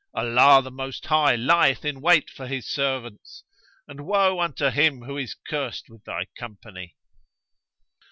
Allah the Most High lieth in wait for His servants and woe unto him who is cursed with thy company!"